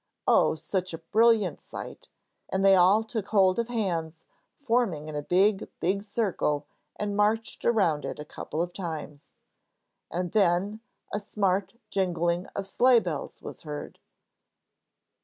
Oh, such a brilliant sight! And they all took hold of hands, forming in a big, big circle, and marched around it a couple of times. And then, a smart jingling of sleigh bells was heard.